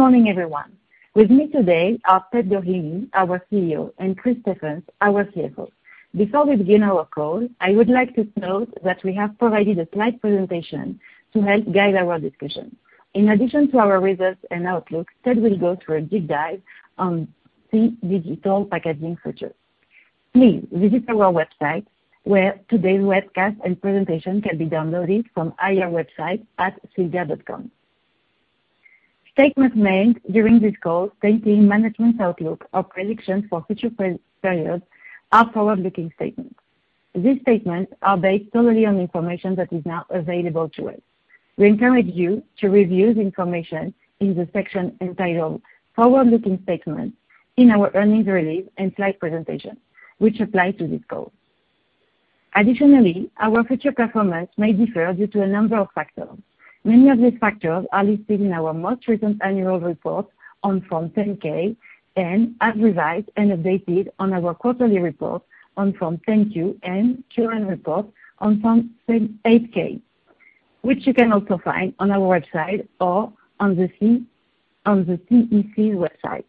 Good morning, everyone. With me today are Ted Doheny, our CEO, and Chris Stephens, our CFO. Before we begin our call, I would like to note that we have provided a slide presentation to help guide our discussion. In addition to our results and outlook, Ted will go through a deep dive on the digital packaging future. Please visit our website where today's webcast and presentation can be downloaded from our website at sealedair.com. Statements made during this call stating management's outlook or predictions for future periods are forward-looking statements. These statements are based solely on information that is now available to us. We encourage you to review the information in the section entitled Forward-looking Statements in our earnings release and slide presentation, which apply to this call. Additionally, our future performance may differ due to a number of factors. Many of these factors are listed in our most recent annual report on Form 10-K and as revised and updated on our quarterly report on Form 10-Q and current report on Form 8-K, which you can also find on our website or on the SEC website.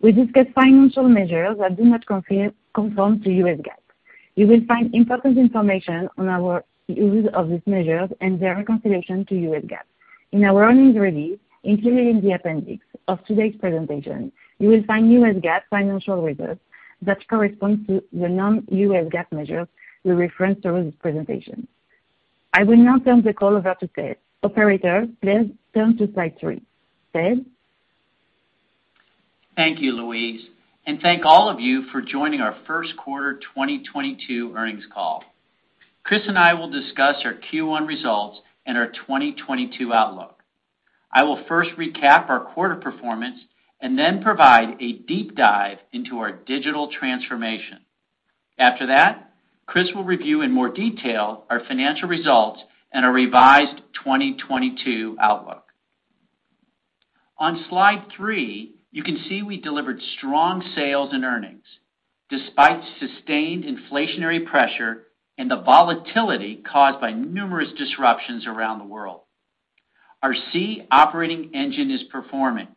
We discuss financial measures that do not conform to U.S. GAAP. You will find important information on the use of these measures and their reconciliation to U.S. GAAP. In our earnings release, including the appendix of today's presentation, you will find U.S. GAAP financial results that corresponds to the non-U.S. GAAP measures we reference during this presentation. I will now turn the call over to Ted. Operator, please turn to slide 3. Ted? Thank you, Louise, and thank all of you for joining our Q1 2022 Earnings Call. Chris and I will discuss our Q1 results and our 2022 outlook. I will first recap our quarter performance and then provide a deep dive into our digital transformation. After that, Chris will review in more detail our financial results and our revised 2022 outlook. On slide 3, you can see we delivered strong sales and earnings despite sustained inflationary pressure and the volatility caused by numerous disruptions around the world. Our SEE operating engine is performing.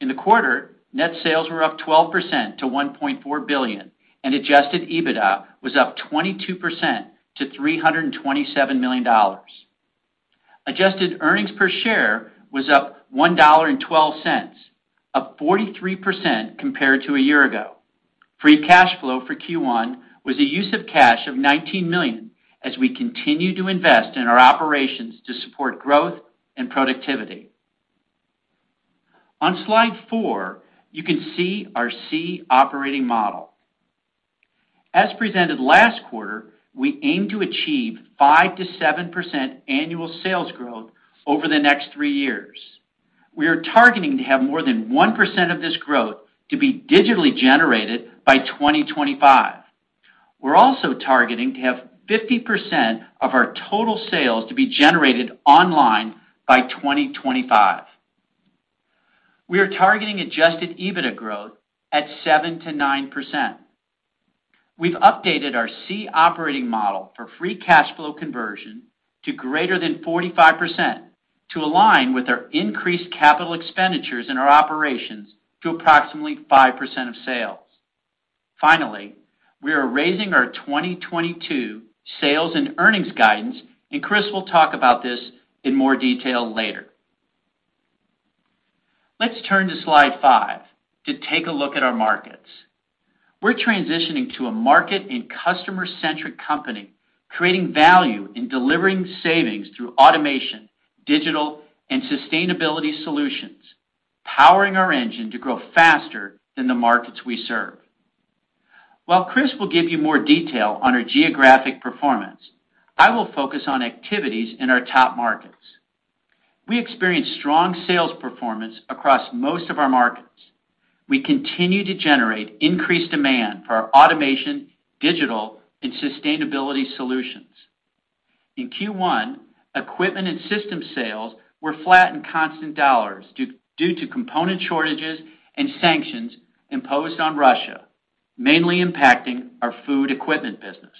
In the quarter, net sales were up 12% to $1.4 billion, and adjusted EBITDA was up 22% to $327 million. Adjusted earnings per share was up $1.12, up 43% compared to a year ago. Free cash flow for Q1 was a use of cash of $19 million as we continue to invest in our operations to support growth and productivity. On slide 4, you can see our SEE operating model. As presented last quarter, we aim to achieve 5%-7% annual sales growth over the next three years. We are targeting to have more than 1% of this growth to be digitally generated by 2025. We're also targeting to have 50% of our total sales to be generated online by 2025. We are targeting adjusted EBITDA growth at 7%-9%. We've updated our SEE operating model for free cash flow conversion to greater than 45% to align with our increased capital expenditures in our operations to approximately 5% of sales. Finally, we are raising our 2022 sales and earnings guidance, and Chris will talk about this in more detail later. Let's turn to slide 5 to take a look at our markets. We're transitioning to a market- and customer-centric company, creating value by delivering savings through automation, digital, and sustainability solutions, powering our engine to grow faster than the markets we serve. While Chris will give you more detail on our geographic performance, I will focus on activities in our top markets. We experienced strong sales performance across most of our markets. We continue to generate increased demand for our automation, digital, and sustainability solutions. In Q1, equipment and system sales were flat in constant dollars due to component shortages and sanctions imposed on Russia, mainly impacting our food equipment business.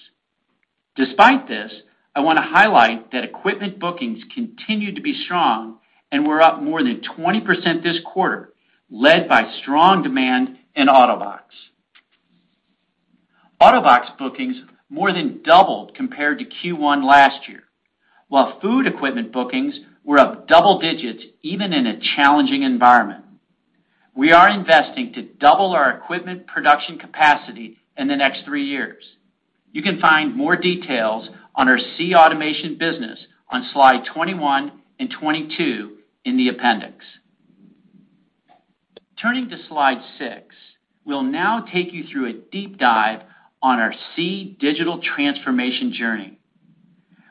Despite this, I wanna highlight that equipment bookings continued to be strong and were up more than 20% this quarter, led by strong demand in AUTOBAG. AUTOBAG bookings more than doubled compared to Q1 last year, while food equipment bookings were up double digits even in a challenging environment. We are investing to double our equipment production capacity in the next three years. You can find more details on our SEE automation business on slide 21 and 22 in the appendix. Turning to slide 6, we'll now take you through a deep dive on our SEE digital transformation journey.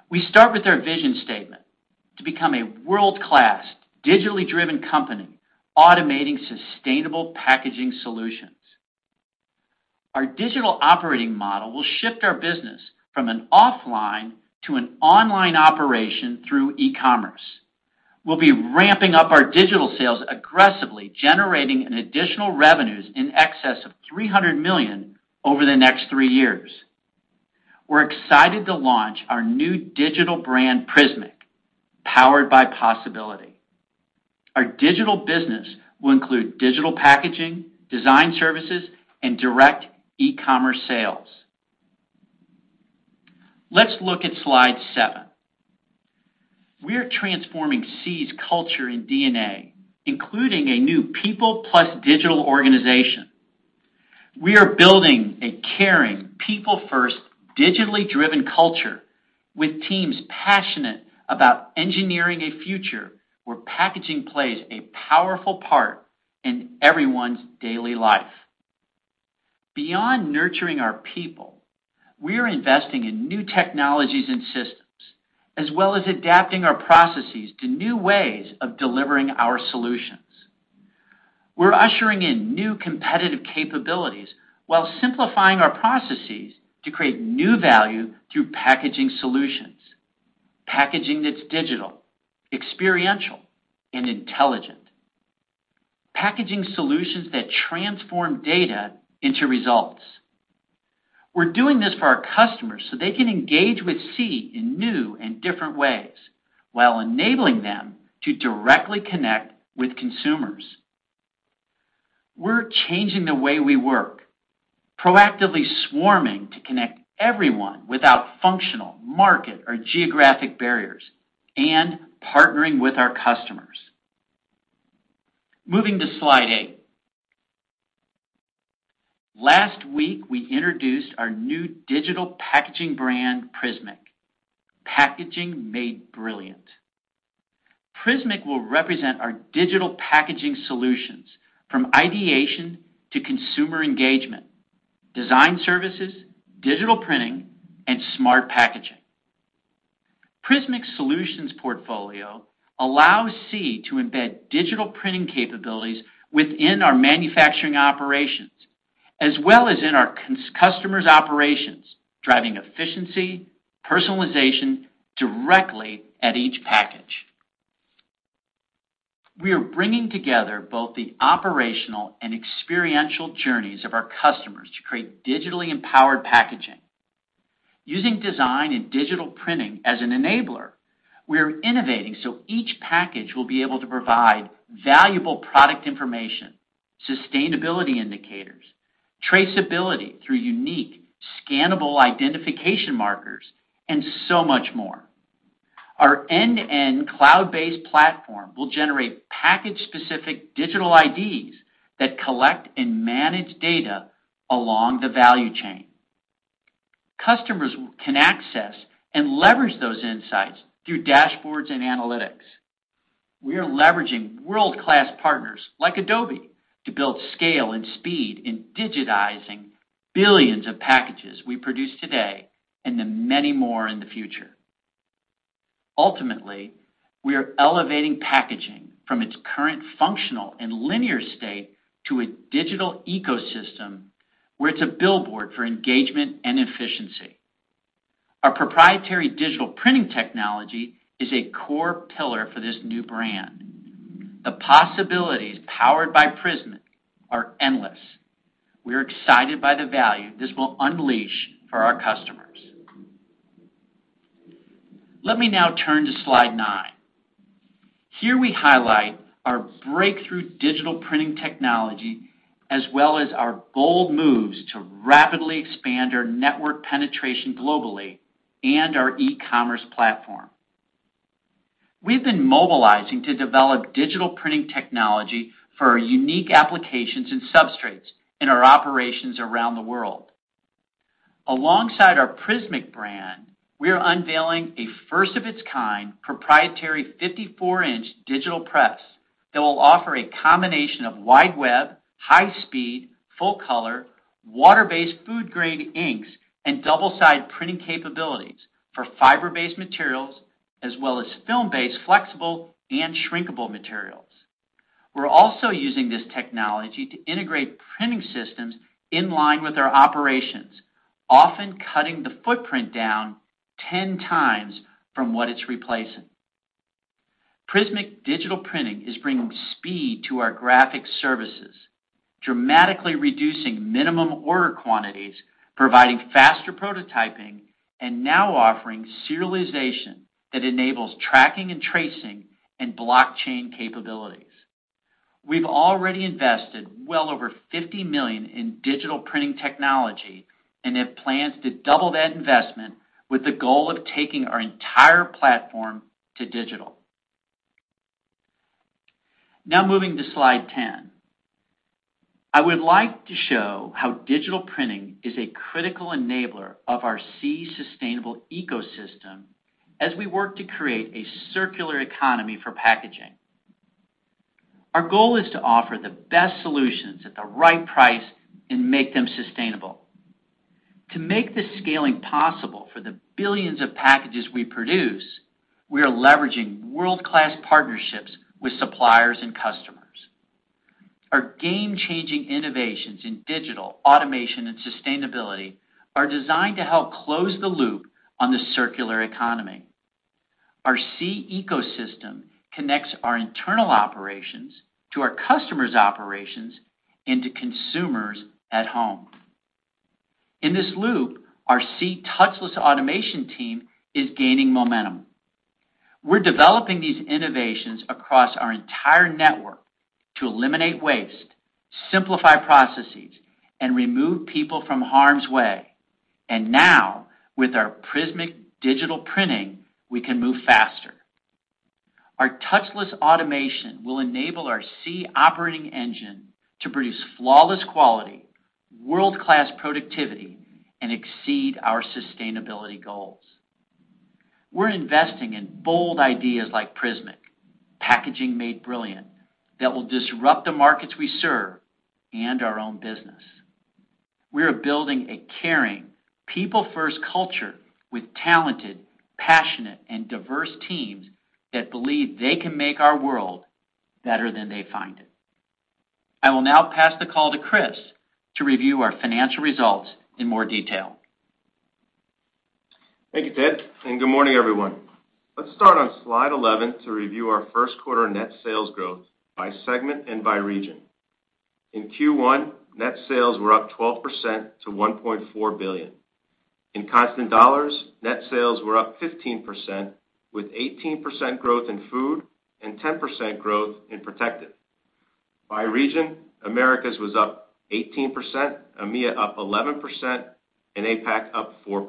We start with our vision statement: to become a world-class, digitally driven company automating sustainable packaging solutions. Our digital operating model will shift our business from an offline to an online operation through e-commerce. We'll be ramping up our digital sales aggressively, generating an additional revenues in excess of $300 million over the next three years. We're excited to launch our new digital brand, prismiq, Powered by Possibility. Our digital business will include digital packaging, design services, and direct e-commerce sales. Let's look at slide seven. We're transforming SEE's culture and DNA, including a new people plus digital organization. We are building a caring, people first, digitally driven culture with teams passionate about engineering a future where packaging plays a powerful part in everyone's daily life. Beyond nurturing our people, we are investing in new technologies and systems, as well as adapting our processes to new ways of delivering our solutions. We're ushering in new competitive capabilities while simplifying our processes to create new value through packaging solutions, packaging that's digital, experiential, and intelligent, packaging solutions that transform data into results. We're doing this for our customers, so they can engage with SEE in new and different ways, while enabling them to directly connect with consumers. We're changing the way we work, proactively swarming to connect everyone without functional, market, or geographic barriers and partnering with our customers. Moving to slide eight. Last week, we introduced our new digital packaging brand, prismiq, packaging made brilliant. prismiq will represent our digital packaging solutions from ideation to consumer engagement, design services, digital printing, and smart packaging. prismiq solutions portfolio allows SEE to embed digital printing capabilities within our manufacturing operations as well as in our customers' operations, driving efficiency, personalization directly at each package. We are bringing together both the operational and experiential journeys of our customers to create digitally empowered packaging. Using design and digital printing as an enabler, we are innovating so each package will be able to provide valuable product information, sustainability indicators, traceability through unique scannable identification markers, and so much more. Our end-to-end cloud-based platform will generate package-specific digital IDs that collect and manage data along the value chain. Customers can access and leverage those insights through dashboards and analytics. We are leveraging world-class partners like Adobe to build scale and speed in digitizing billions of packages we produce today and the many more in the future. Ultimately, we are elevating packaging from its current functional and linear state to a digital ecosystem where it's a billboard for engagement and efficiency. Our proprietary digital printing technology is a core pillar for this new brand. The possibilities powered by prismiq are endless. We're excited by the value this will unleash for our customers. Let me now turn to slide 9. Here, we highlight our breakthrough digital printing technology as well as our bold moves to rapidly expand our network penetration globally and our e-commerce platform. We've been mobilizing to develop digital printing technology for our unique applications and substrates in our operations around the world. Alongside our prismiq brand, we are unveiling a first of its kind proprietary 54-inch digital press that will offer a combination of wide web, high speed, full color, water-based food grade inks, and double-side printing capabilities for fiber-based materials as well as film-based flexible and shrinkable materials. We're also using this technology to integrate printing systems in line with our operations, often cutting the footprint down 10 times from what it's replacing. Prismiq digital printing is bringing speed to our graphic services, dramatically reducing minimum order quantities, providing faster prototyping, and now offering serialization that enables tracking and tracing and blockchain capabilities. We've already invested well over $50 million in digital printing technology and have plans to double that investment with the goal of taking our entire platform to digital. Now moving to slide 10. I would like to show how digital printing is a critical enabler of our SEE sustainable ecosystem as we work to create a circular economy for packaging. Our goal is to offer the best solutions at the right price and make them sustainable. To make this scaling possible for the billions of packages we produce, we are leveraging world-class partnerships with suppliers and customers. Our game-changing innovations in digital, automation, and sustainability are designed to help close the loop on the circular economy. Our SEE ecosystem connects our internal operations to our customers' operations to consumers at home. In this loop, our SEE touchless automation team is gaining momentum. We're developing these innovations across our entire network to eliminate waste, simplify processes, and remove people from harm's way. Now, with our prismiq digital printing, we can move faster. Our touchless automation will enable our SEE operating engine to produce flawless quality, world-class productivity, and exceed our sustainability goals. We're investing in bold ideas like prismiq, packaging made brilliant, that will disrupt the markets we serve and our own business. We are building a caring, people-first culture with talented, passionate, and diverse teams that believe they can make our world better than they find it. I will now pass the call to Chris to review our financial results in more detail. Thank you, Ted, and good morning, everyone. Let's start on slide 11 to review our Q1 net sales growth by segment and by region. In Q1, net sales were up 12% to $1.4 billion. In constant dollars, net sales were up 15%, with 18% growth in food and 10% growth in protective. By region, Americas was up 18%, EMEA up 11%, and APAC up 4%.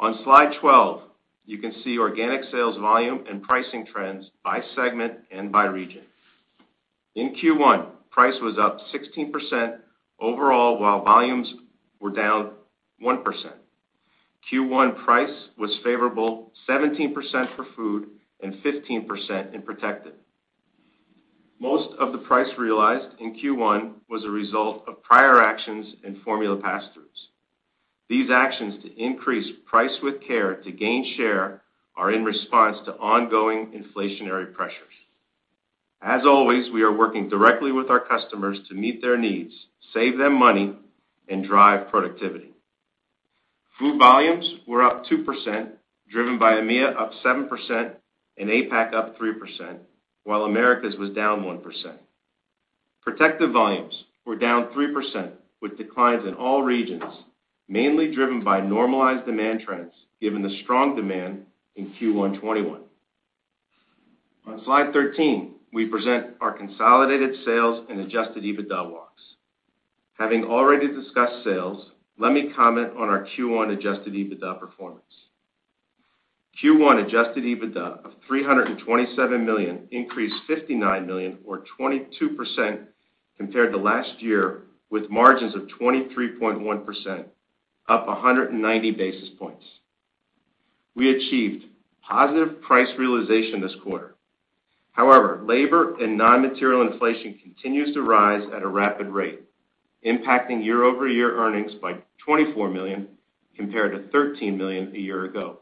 On slide 12, you can see organic sales volume and pricing trends by segment and by region. In Q1, price was up 16% overall, while volumes were down 1%. Q1 price was favorable 17% for food and 15% in protective. Most of the price realized in Q1 was a result of prior actions and formula pass-throughs. These actions to increase price with care to gain share are in response to ongoing inflationary pressures. As always, we are working directly with our customers to meet their needs, save them money, and drive productivity. Food volumes were up 2%, driven by EMEA up 7% and APAC up 3%, while Americas was down 1%. Protective volumes were down 3%, with declines in all regions, mainly driven by normalized demand trends, given the strong demand in Q1 2021. On slide 13, we present our consolidated sales and adjusted EBITDA walks. Having already discussed sales, let me comment on our Q1 adjusted EBITDA performance. Q1 adjusted EBITDA of $327 million increased $59 million or 22% compared to last year, with margins of 23.1%, up 190 basis points. We achieved positive price realization this quarter. However, labor and non-material inflation continues to rise at a rapid rate, impacting year-over-year earnings by $24 million compared to $13 million a year ago.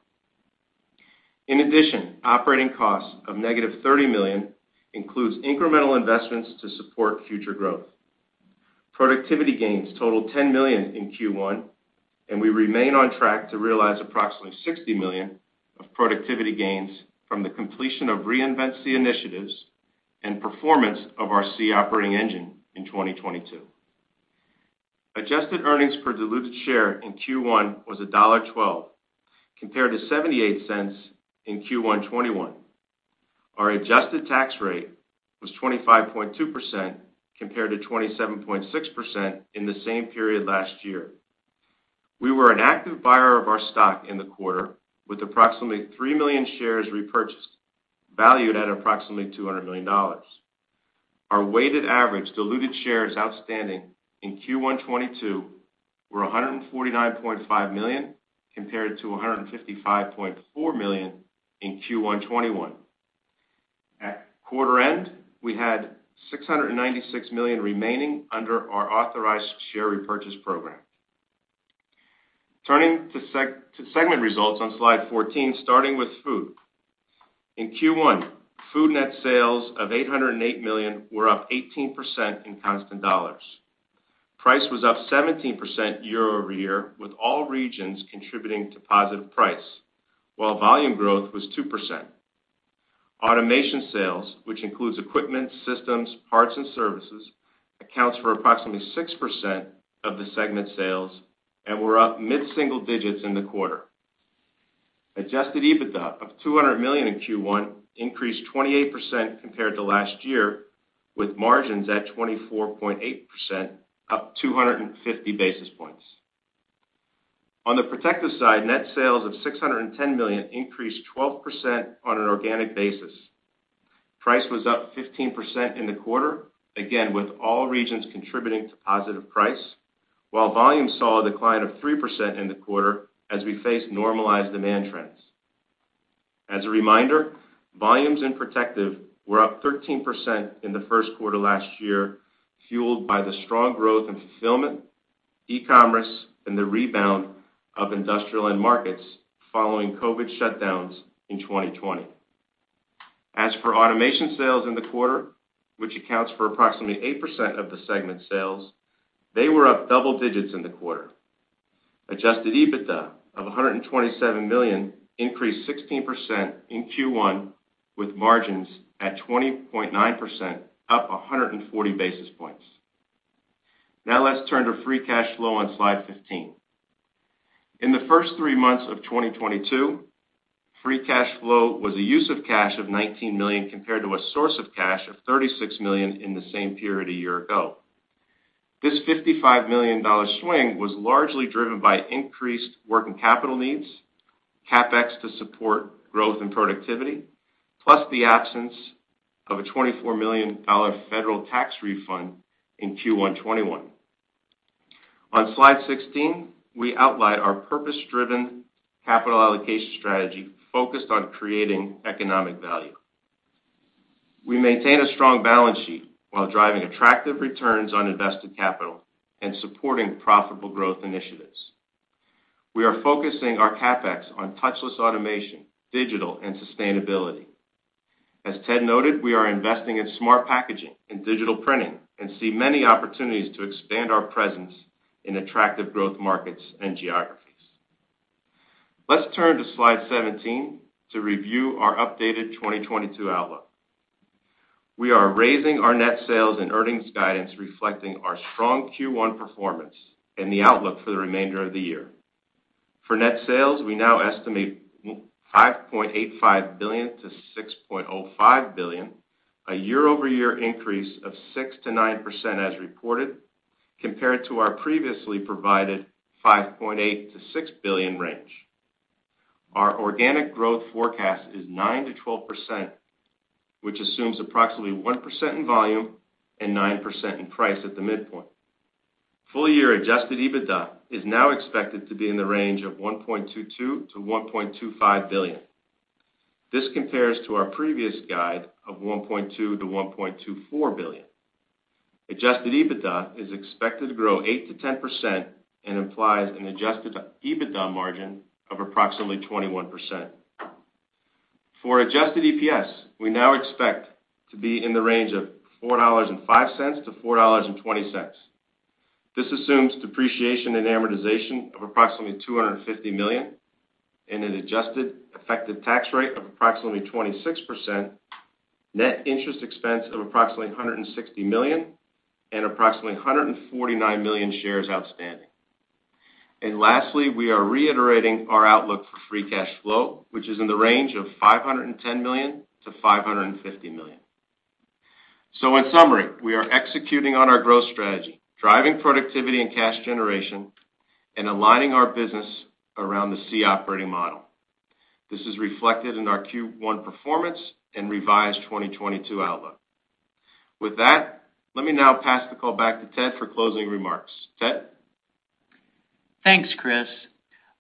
In addition, operating costs of -$30 million includes incremental investments to support future growth. Productivity gains totaled $10 million in Q1, and we remain on track to realize approximately $60 million of productivity gains from the completion of Reinvent SEE initiatives and performance of our SEE operating engine in 2022. Adjusted earnings per diluted share in Q1 was $1.12 compared to $0.78 in Q1 2021. Our adjusted tax rate was 25.2% compared to 27.6% in the same period last year. We were an active buyer of our stock in the quarter, with approximately 3 million shares repurchased, valued at approximately $200 million. Our weighted average diluted shares outstanding in Q1 2022 were 149.5 million compared to 155.4 million in Q1 2021. At quarter end, we had $696 million remaining under our authorized share repurchase program. Turning to segment results on slide 14, starting with Food. In Q1, Food net sales of $808 million were up 18% in constant dollars. Price was up 17% year-over-year, with all regions contributing to positive price, while volume growth was 2%. Automation sales, which includes equipment, systems, parts, and services, accounts for approximately 6% of the segment sales and were up mid-single digits in the quarter. Adjusted EBITDA of $200 million in Q1 increased 28% compared to last year, with margins at 24.8% up 250 basis points. On the protective side, net sales of $610 million increased 12% on an organic basis. Price was up 15% in the quarter, again, with all regions contributing to positive price, while volume saw a decline of 3% in the quarter as we faced normalized demand trends. As a reminder, volumes in protective were up 13% in the Q1 last year, fueled by the strong growth in fulfillment, e-commerce, and the rebound of industrial end markets following COVID shutdowns in 2020. As for automation sales in the quarter, which accounts for approximately 8% of the segment sales, they were up double digits in the quarter. Adjusted EBITDA of $127 million increased 16% in Q1, with margins at 20.9%, up 140 basis points. Now let's turn to free cash flow on slide 15. In the first three months of 2022, free cash flow was a use of cash of $19 million compared to a source of cash of $36 million in the same period a year ago. This $55 million swing was largely driven by increased working capital needs, CapEx to support growth and productivity, plus the absence of a $24 million federal tax refund in Q1 2021. On slide 16, we outline our purpose-driven capital allocation strategy focused on creating economic value. We maintain a strong balance sheet while driving attractive returns on invested capital and supporting profitable growth initiatives. We are focusing our CapEx on touchless automation, digital, and sustainability. As Ted noted, we are investing in smart packaging and digital printing and see many opportunities to expand our presence in attractive growth markets and geographies. Let's turn to slide 17 to review our updated 2022 outlook. We are raising our net sales and earnings guidance reflecting our strong Q1 performance and the outlook for the remainder of the year. For net sales, we now estimate $5.85 billion-$6.05 billion, a year-over-year increase of 6%-9% as reported, compared to our previously provided $5.8-6 billion range. Our organic growth forecast is 9%-12%, which assumes approximately 1% in volume and 9% in price at the midpoint. Full year adjusted EBITDA is now expected to be in the range of $1.22-1.25 billion. This compares to our previous guide of $1.2-1.24 billion. Adjusted EBITDA is expected to grow 8%-10% and implies an adjusted EBITDA margin of approximately 21%. For adjusted EPS, we now expect to be in the range of $4.05-4.20. This assumes depreciation and amortization of approximately $250 million and an adjusted effective tax rate of approximately 26%, net interest expense of approximately $160 million, and approximately 149 million shares outstanding. Lastly, we are reiterating our outlook for free cash flow, which is in the range of $510-550 million. In summary, we are executing on our growth strategy, driving productivity and cash generation, and aligning our business around the SEE operating model. This is reflected in our Q1 performance and revised 2022 outlook. With that, let me now pass the call back to Ted for closing remarks. Ted? Thanks, Chris.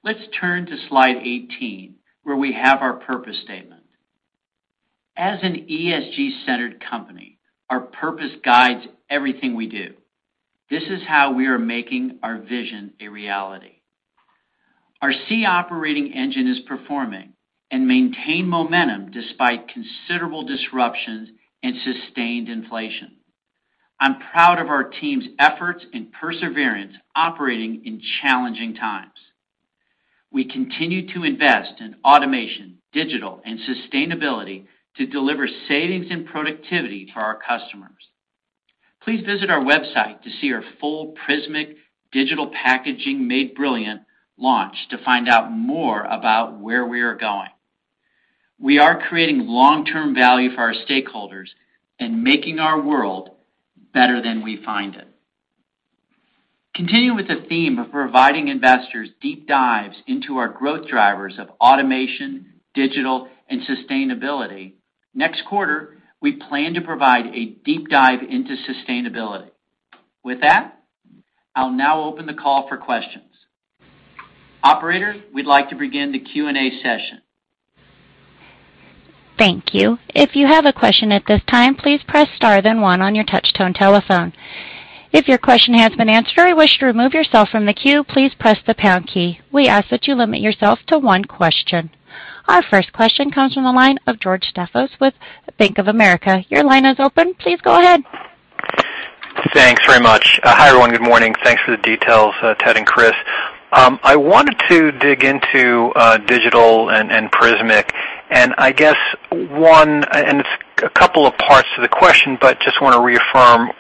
Let's turn to slide 18, where we have our purpose statement. As an ESG-centered company, our purpose guides everything we do. This is how we are making our vision a reality. Our SEE operating engine is performing and maintain momentum despite considerable disruptions and sustained inflation. I'm proud of our team's efforts and perseverance operating in challenging times. We continue to invest in automation, digital, and sustainability to deliver savings and productivity for our customers. Please visit our website to see our full prismiq digital packaging Made Brilliant launch to find out more about where we are going. We are creating long-term value for our stakeholders and making our world better than we find it. Continuing with the theme of providing investors deep dives into our growth drivers of automation, digital, and sustainability, next quarter, we plan to provide a deep dive into sustainability. With that, I'll now open the call for questions. Operator, we'd like to begin the Q&A session. Thank you. If you have a question at this time, please press star then one on your touch tone telephone. If your question has been answered or you wish to remove yourself from the queue, please press the pound key. We ask that you limit yourself to one question. Our first question comes from the line of George Staphos with Bank of America. Your line is open. Please go ahead. Thanks very much. Hi, everyone. Good morning. Thanks for the details, Ted and Chris. I wanted to dig into digital and prismiq, and I guess it's a couple of parts to the question, but just wanna reaffirm.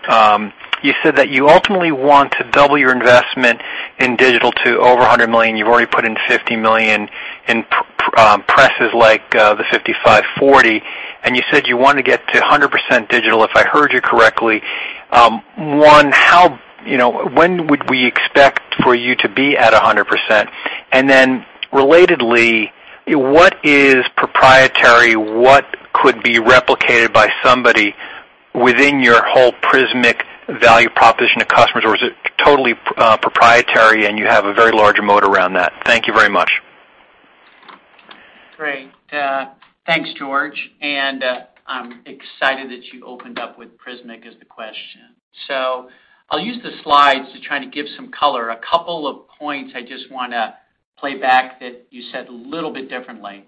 You said that you ultimately want to double your investment in digital to over $100 million. You've already put in $50 million in presses like the 5540, and you said you want to get to 100% digital, if I heard you correctly. One, you know, when would we expect for you to be at 100%? Relatedly, what is proprietary? What could be replicated by somebody within your whole prismiq value proposition to customers? Or is it totally proprietary, and you have a very large moat around that? Thank you very much. Great. Thanks, George, and I'm excited that you opened up with prismiq as the question. I'll use the slides to try to give some color. A couple of points I just wanna play back that you said a little bit differently.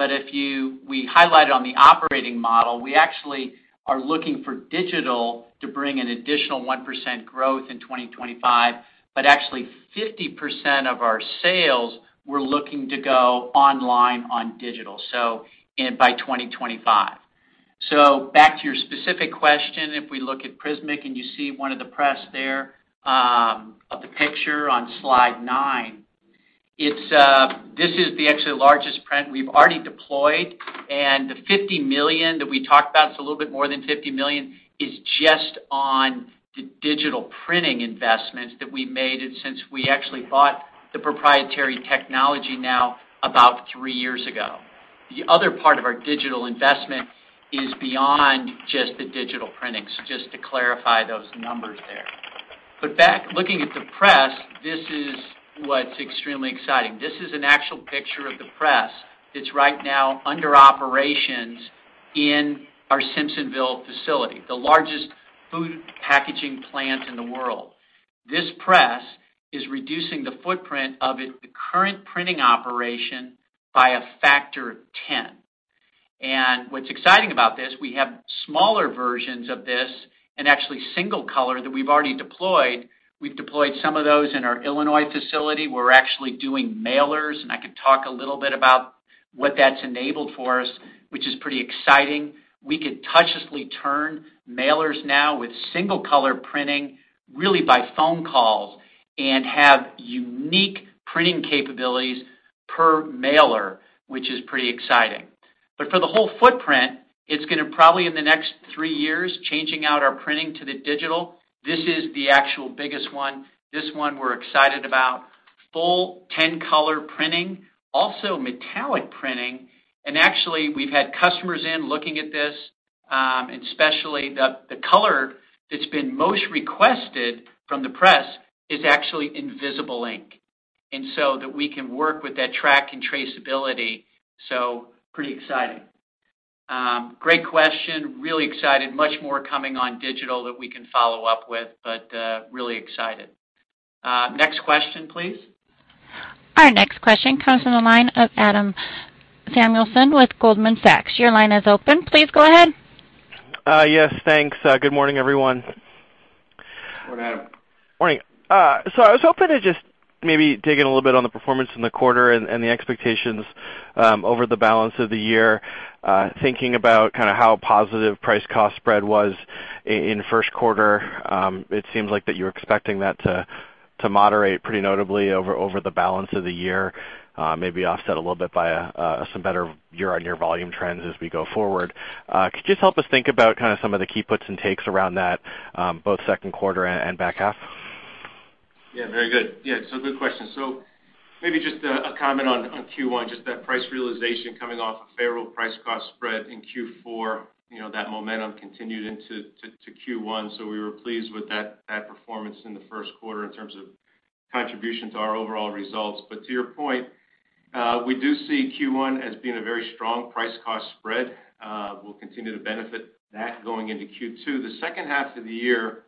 We highlighted on the operating model. We actually are looking for digital to bring an additional 1% growth in 2025, actually 50% of our sales. We're looking to go online on digital and by 2025. Back to your specific question, if we look at prismiq, and you see one of the prints there of the picture on slide nine. It's this is actually the largest print we've already deployed, and the $50 million that we talked about. It's a little bit more than $50 million, is just on the digital printing investments that we made. Since we actually bought the proprietary technology now about three years ago. The other part of our digital investment is beyond just the digital printing. Just to clarify those numbers there. Back looking at the press, this is what's extremely exciting. This is an actual picture of the press that's right now in operation in our Simpsonville facility, the largest food packaging plant in the world. This press is reducing the footprint of it, the current printing operation by a factor of 10. What's exciting about this, we have smaller versions of this and actually single color that we've already deployed. We've deployed some of those in our Illinois facility. We're actually doing mailers, and I could talk a little bit about what that's enabled for us, which is pretty exciting. We could touchlessly turn mailers now with single color printing, really by phone calls, and have unique printing capabilities per mailer, which is pretty exciting. For the whole footprint, it's gonna probably in the next 3 years, changing out our printing to the digital. This is the actual biggest one. This one we're excited about. Full 10-color printing, also metallic printing. Actually, we've had customers in looking at this, and especially the color that's been most requested from the press is actually invisible ink. That we can work with that track and traceability, so pretty exciting. Great question. Really excited. Much more coming on digital that we can follow up with, but, really excited. Next question, please. Our next question comes from the line of Adam Samuelson with Goldman Sachs. Your line is open. Please go ahead. Yes, thanks. Good morning, everyone. Good morning, Adam. Morning. I was hoping to just maybe dig in a little bit on the performance in the quarter and the expectations over the balance of the year. Thinking about kind of how positive price cost spread was in Q1. It seems like that you're expecting that to moderate pretty notably over the balance of the year, maybe offset a little bit by some better year-on-year volume trends as we go forward. Could you just help us think about kind of some of the key puts and takes around that, both Q2 and back half? Yeah, very good. Yeah, good question. Maybe just a comment on Q1, just that price realization coming off a favorable price cost spread in Q4, you know, that momentum continued into Q1. We were pleased with that performance in the Q1 in terms of contribution to our overall results. To your point, we do see Q1 as being a very strong price cost spread. We'll continue to benefit that going into Q2. The second half of the year,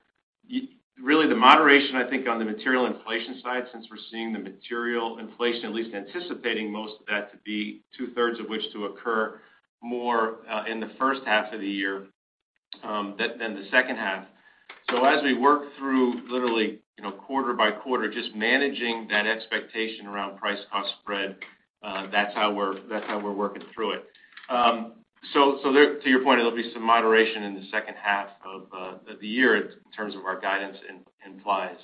really the moderation I think on the material inflation side, since we're seeing the material inflation, at least anticipating most of that to be two-thirds of which to occur more in the first half of the year than the second half. As we work through, literally, you know, quarter by quarter, just managing that expectation around price cost spread, that's how we're working through it. To your point, there'll be some moderation in the second half of the year in terms of our guidance implies.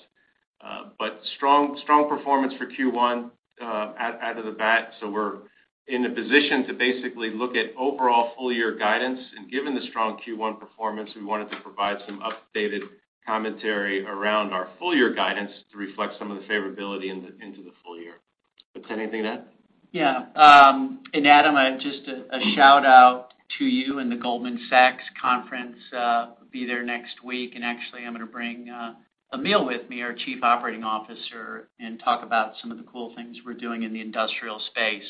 Strong performance for Q1 out of the gate. We're in a position to basically look at overall full year guidance. Given the strong Q1 performance, we wanted to provide some updated commentary around our full year guidance to reflect some of the favorability into the full year. Want to say anything to that? Yeah. Adam, just a shout-out to you and the Goldman Sachs conference. I'll be there next week. Actually, I'm gonna bring Emile with me, our Chief Operating Officer, and talk about some of the cool things we're doing in the industrial space.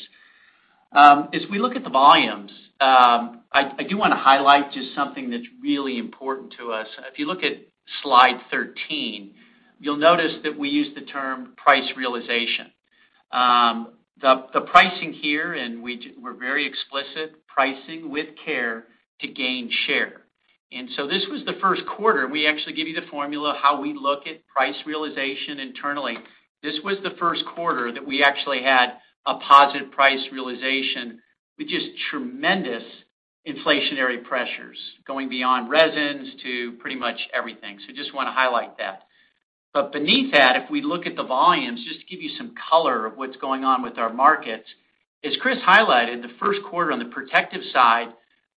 As we look at the volumes, I do wanna highlight just something that's really important to us. If you look at slide 13, you'll notice that we use the term price realization. The pricing here, and we're very explicit, pricing with care to gain share. This was the Q1. We actually give you the formula, how we look at price realization internally. This was the Q1 that we actually had a positive price realization with just tremendous inflationary pressures going beyond resins to pretty much everything. Just wanna highlight that. Beneath that, if we look at the volumes, just to give you some color of what's going on with our markets, as Chris highlighted, the Q1 on the protective side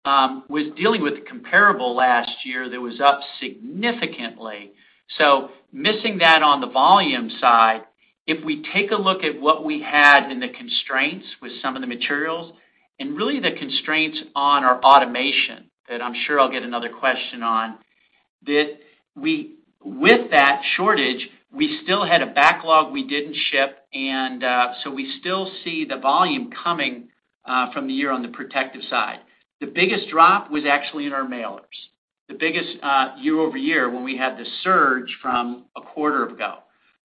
was dealing with comparable last year that was up significantly. Missing that on the volume side, if we take a look at what we had in the constraints with some of the materials and really the constraints on our automation that I'm sure I'll get another question on, with that shortage, we still had a backlog we didn't ship, and so we still see the volume coming in the year on the protective side. The biggest drop was actually in our mailers. The biggest year-over-year when we had the surge from a quarter ago.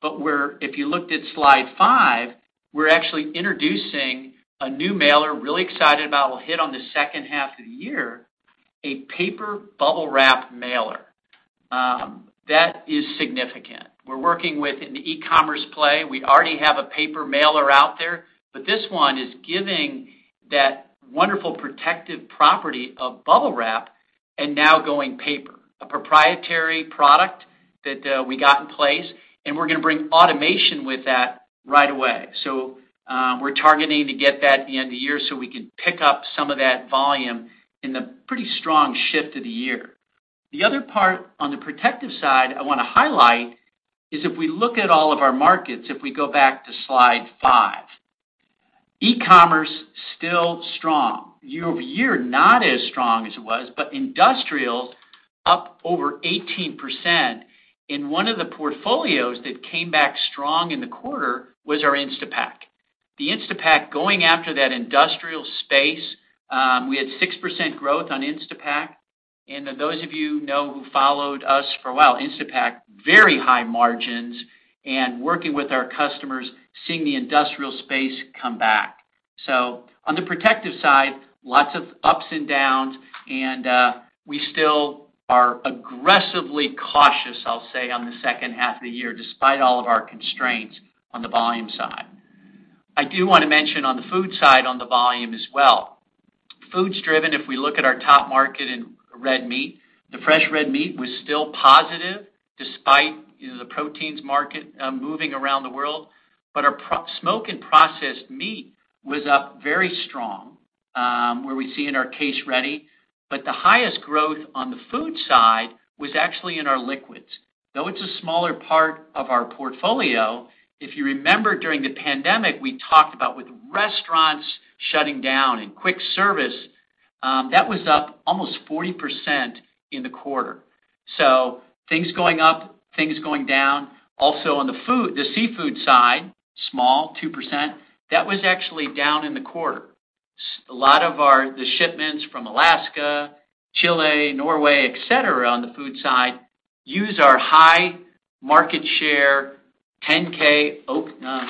If you looked at slide five, we're actually introducing a new mailer, really excited about. We'll hit on the second half of the year, a paper bubble wrap mailer. That is significant. We're working with an e-commerce play. We already have a paper mailer out there, but this one is giving that wonderful protective property of bubble wrap and now going paper. A proprietary product that, we got in place, and we're gonna bring automation with that right away. We're targeting to get that at the end of the year, so we can pick up some of that volume in the pretty strong shift of the year. The other part on the protective side I wanna highlight is if we look at all of our markets, if we go back to slide five. E-commerce, still strong. Year-over-year, not as strong as it was, but industrial's up over 18%. One of the portfolios that came back strong in the quarter was our Instapak. The Instapak going after that industrial space, we had 6% growth on Instapak. Those of you know who followed us for a while, Instapak, very high margins and working with our customers, seeing the industrial space come back. On the protective side, lots of ups and downs, and we still are aggressively cautious, I'll say, on the second half of the year, despite all of our constraints on the volume side. I do wanna mention on the food side on the volume as well. Food's driven, if we look at our top market in red meat. The fresh red meat was still positive despite the proteins market moving around the world. Our smoked and processed meat was up very strong, where we see in our case ready. The highest growth on the food side was actually in our liquids. Though it's a smaller part of our portfolio, if you remember during the pandemic, we talked about with restaurants shutting down and quick service, that was up almost 40% in the quarter. Things going up, things going down. Also on the food, the seafood side, small, 2%, that was actually down in the quarter. A lot of the shipments from Alaska, Chile, Norway, et cetera, on the food side use our high market share, 10K OTR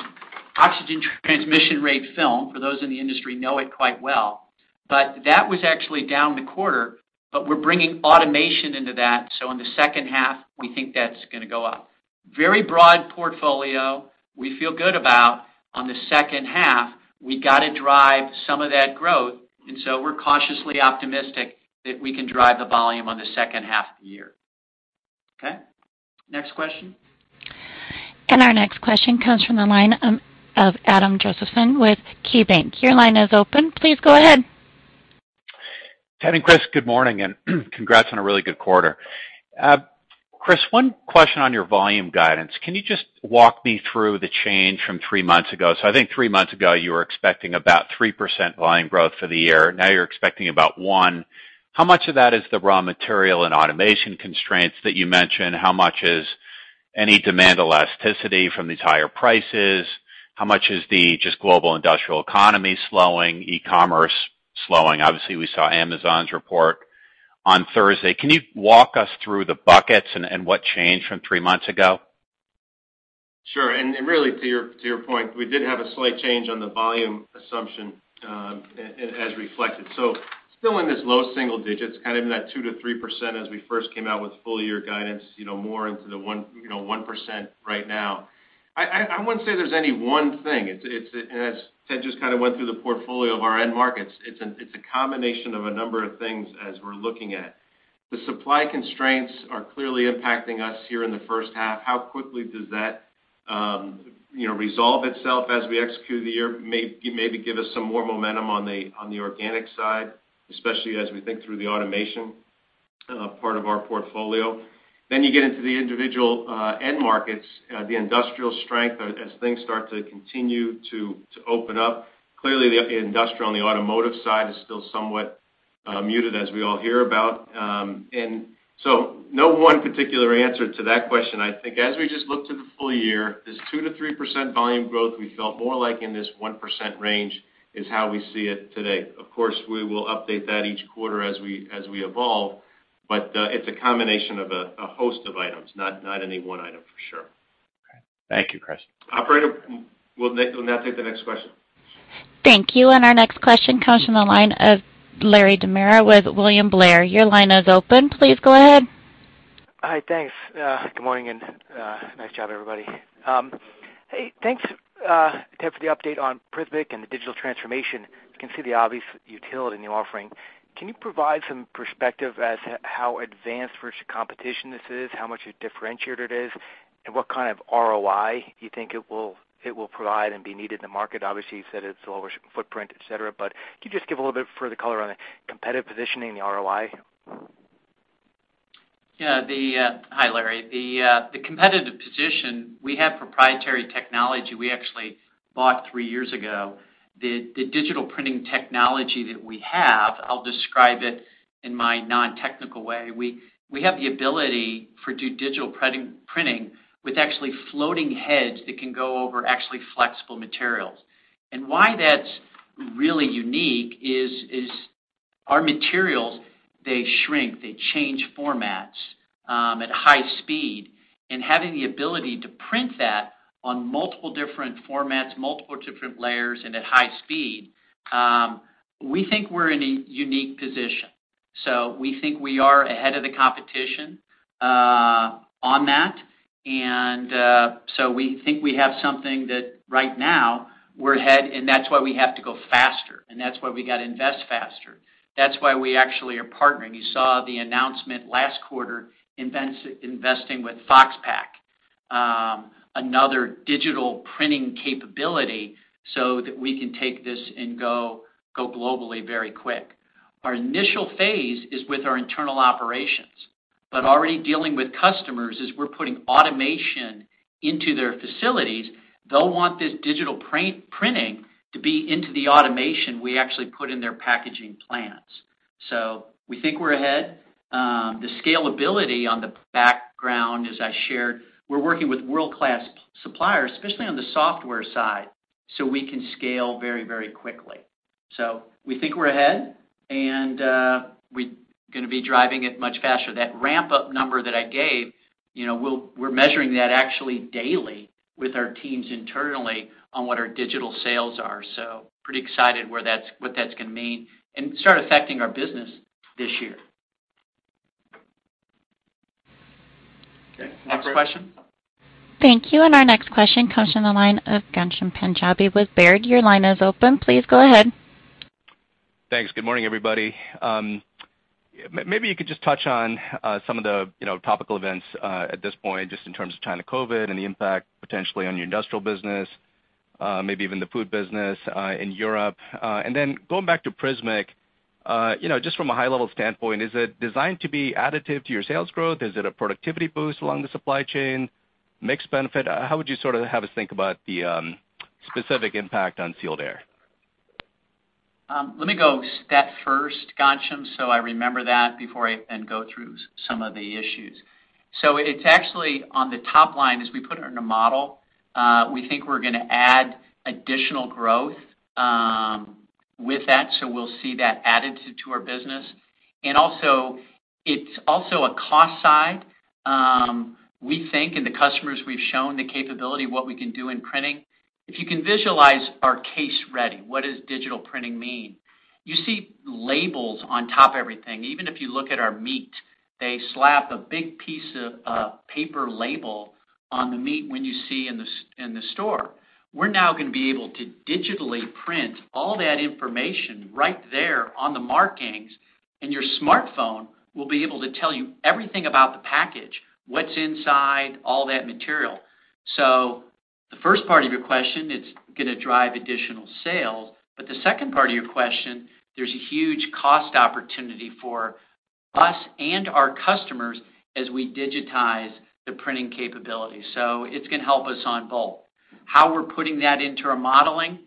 oxygen transmission rate film, for those in the industry know it quite well. That was actually down in the quarter, but we're bringing automation into that, so in the second half, we think that's gonna go up. Very broad portfolio we feel good about. On the second half, we gotta drive some of that growth, and so we're cautiously optimistic that we can drive the volume on the second half of the year. Okay? Next question. Our next question comes from the line of Adam Josephson with KeyBanc. Your line is open. Please go ahead. Ted and Chris, good morning, and congrats on a really good quarter. Chris, one question on your volume guidance. Can you just walk me through the change from three months ago? I think three months ago, you were expecting about 3% volume growth for the year. Now you're expecting about 1. How much of that is the raw material and automation constraints that you mentioned? How much is any demand elasticity from these higher prices? How much is the just global industrial economy slowing, e-commerce slowing? Obviously, we saw Amazon's report on Thursday. Can you walk us through the buckets and what changed from three months ago? Sure. Really to your point, we did have a slight change on the volume assumption, as reflected. Still in this low single digits, kind of in that 2%-3% as we first came out with full year guidance, you know, more into the 1%, you know, right now. I wouldn't say there's any one thing. It's as Ted just kind of went through the portfolio of our end markets, it's a combination of a number of things as we're looking at it. The supply constraints are clearly impacting us here in the first half. How quickly does that, you know, resolve itself as we execute the year? Maybe give us some more momentum on the organic side, especially as we think through the automation part of our portfolio. You get into the individual end markets, the industrial strength as things start to continue to open up. Clearly, the industrial on the automotive side is still somewhat muted as we all hear about. No one particular answer to that question. I think as we just look to the full year, this 2%-3% volume growth, we felt more like in this 1% range is how we see it today. Of course, we will update that each quarter as we evolve, but it's a combination of a host of items, not any one item for sure. Okay. Thank you, Chris. Operator, we'll now take the next question. Thank you. Our next question comes from the line of Larry De Maria with William Blair. Your line is open. Please go ahead. Hi. Thanks. Good morning and nice job, everybody. Hey, thanks, Ted, for the update on prismiq and the digital transformation. You can see the obvious utility in the offering. Can you provide some perspective as to how advanced versus competition this is? How much differentiated it is? And what kind of ROI you think it will provide and be needed in the market? Obviously, you said it's a lower footprint, et cetera. Can you just give a little bit further color on the competitive positioning and the ROI? Yeah. Hi, Larry De Maria. The competitive position, we have proprietary technology we actually bought three years ago. The digital printing technology that we have, I'll describe it in my non-technical way. We have the ability to do digital printing with actually floating heads that can go over actually flexible materials. Why that's really unique is Our materials, they shrink, they change formats at high speed. Having the ability to print that on multiple different formats, multiple different layers, and at high speed, we think we're in a unique position. We think we are ahead of the competition on that. We think we have something that right now we're ahead, and that's why we have to go faster, and that's why we gotta invest faster. That's why we actually are partnering. You saw the announcement last quarter investing with Foxpak, another digital printing capability, so that we can take this and go globally very quick. Our initial phase is with our internal operations, but already dealing with customers is we're putting automation into their facilities. They'll want this digital printing to be into the automation we actually put in their packaging plants. We think we're ahead. The scalability in the background, as I shared, we're working with world-class suppliers, especially on the software side, so we can scale very, very quickly. We think we're ahead, and we gonna be driving it much faster. That ramp-up number that I gave, you know, we're measuring that actually daily with our teams internally on what our digital sales are. Pretty excited what that's gonna mean, and start affecting our business this year. Okay. Next question. Thank you. Our next question comes from the line of Ghansham Panjabi with Baird. Your line is open. Please go ahead. Thanks. Good morning, everybody. Maybe you could just touch on some of the, you know, topical events at this point, just in terms of China COVID and the impact potentially on your industrial business, maybe even the food business in Europe. Going back to prismiq, you know, just from a high level standpoint, is it designed to be additive to your sales growth? Is it a productivity boost along the supply chain? Mixed benefit? How would you sort of have us think about the specific impact on Sealed Air? Let me go that first, Ghansham, so I remember that before I then go through some of the issues. It's actually on the top line, as we put it in a model, we think we're gonna add additional growth with that, so we'll see that added to our business. Also, it's also a cost side. We think, and the customers we've shown the capability of what we can do in printing. If you can visualize our case ready, what does digital printing mean? You see labels on top of everything. Even if you look at our meat, they slap a big piece of paper label on the meat when you see in the store. We're now gonna be able to digitally print all that information right there on the markings, and your smartphone will be able to tell you everything about the package, what's inside, all that material. The first part of your question, it's gonna drive additional sales. The second part of your question, there's a huge cost opportunity for us and our customers as we digitize the printing capability. It's gonna help us on both. How we're putting that into our modeling,